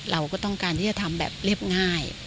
เราก็ต้องการที่จะทำแบบเรียบง่าย